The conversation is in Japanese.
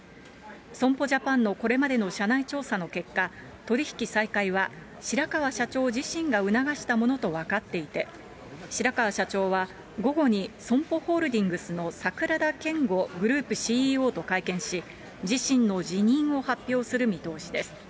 損保ジャパンのこれまでの社内調査の結果、取り引き再開は白川社長自身が促したものと分かっていて、白川社長は午後にソンポホールディングスの櫻田謙悟グループＣＥＯと会見し、自身の辞任を発表する見通しです。